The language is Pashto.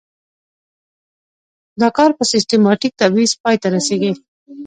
دا کار په سیستماتیک تبعیض پای ته رسیږي.